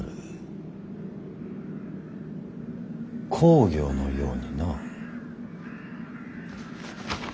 公暁のようにな。